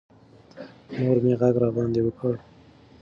مور مې غږ راباندې وکړ.